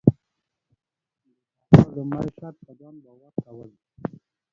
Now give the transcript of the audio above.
د بریا لومړی شرط پۀ ځان باور کول دي.